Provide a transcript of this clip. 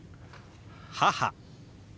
「母」。